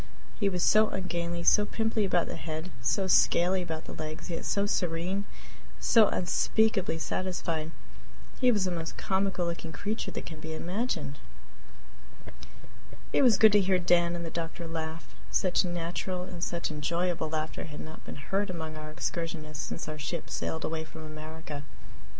He was so ungainly, so pimply about the head, so scaly about the legs, yet so serene, so unspeakably satisfied! He was the most comical looking creature that can be imagined. It was good to hear Dan and the doctor laugh such natural and such enjoyable laughter had not been heard among our excursionists since our ship sailed away from America.